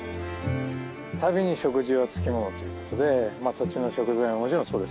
旅に食事はつきものということで土地の食材ももちろんそうです